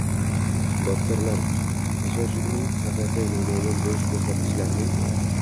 doktorlar Djosgning haqiqiy namoyon bo‘lish ko‘rsatkichlarini